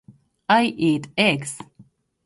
I eat eggs.